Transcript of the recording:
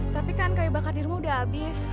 tapi kan kayu bakar dirimu udah habis